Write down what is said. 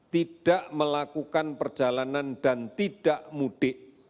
tidak melakukan perjalanan dan tidak mudik